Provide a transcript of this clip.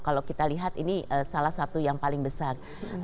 kalau kita lihat ini salah satu yang paling besar